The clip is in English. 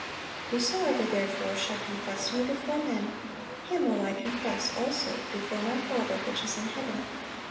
"Whosoever therefore shall confess Me before men, him will I confess also before My Father which is in heaven.